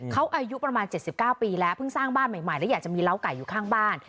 เขาอายุประมาณ๗๙ปีแล้วเพิ่งสร้างบ้านใหม่แล้วอยากจะมีเล้าไก่อยู่ข้างบ้าน